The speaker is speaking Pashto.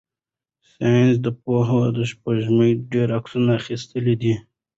ساینس پوهانو د سپوږمۍ ډېر عکسونه اخیستي دي.